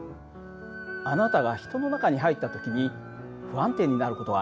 あなたが人の中に入った時に不安定になる事はありませんか？